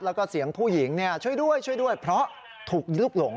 แล้วก็เสียงผู้หญิงช่วยด้วยช่วยด้วยเพราะถูกลุกหลง